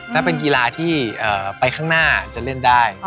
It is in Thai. ถ้าเป็นกีฬาที่ไปข้างหน้าจะเล่นได้